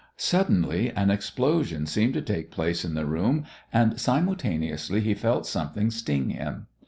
Suddenly an explosion seemed to take place in the room, and simultaneously he felt something sting him.